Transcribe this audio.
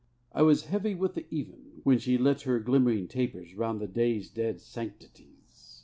I was heavy with the even, When she lit her glimmering tapers Round the day's dead sanctities.